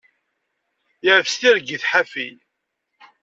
Yeɛfes tirgit ḥafi.